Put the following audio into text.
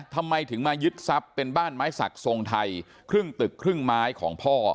ทำไมถึงมายึดทรัพย์เป็นบ้านไม้สักทรงไทยครึ่งตึกครึ่งไม้ของพ่อ